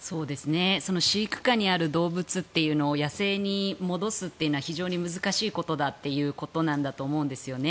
飼育下にある動物というのを野生に戻すというのは非常に難しいと思うんですよね。